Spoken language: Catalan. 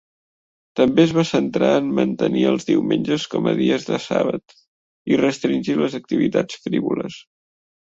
També es va centrar en mantenir els diumenges com a dies de Sabbath i restringir les activitats frívoles.